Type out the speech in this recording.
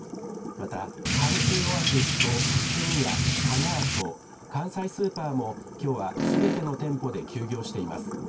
また、阪急オアシスとイズミヤ、カナート、関西スーパーも、きょうはすべての店舗で休業しています。